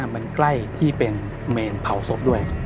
มันใกล้ที่เป็นเมรนด์เผาศพ